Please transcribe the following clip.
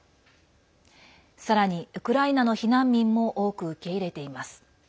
さらに、ウクライナの避難民も多く受け入れています。